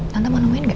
tante mau nemuin gak